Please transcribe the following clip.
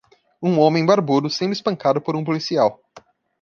Um homem barbudo sendo espancado por um policial.